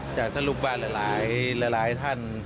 จากท่านลูกบ้านหลายท่าน